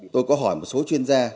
tôi có hỏi một số chuyên gia